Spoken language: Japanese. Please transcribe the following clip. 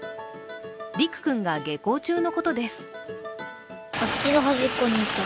陸君が下校中のときです。